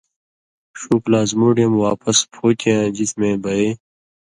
ݜُو پلاسمُوڈیَم واپس پُھوتیۡیاں جسمے بئ